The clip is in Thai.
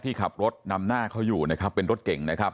ที่เขาขับรถนำหน้าเนี่ยนึกว่านี่รถเก่งนะครับ